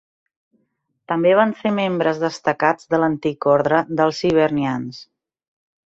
També van ser membres destacats de l'Antic Ordre dels Hibernians.